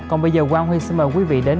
còn bây giờ quang huy xin mời quý vị đến